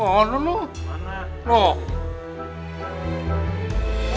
wah ini bukan geplak nih